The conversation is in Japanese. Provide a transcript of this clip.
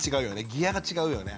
ギアが違うよね。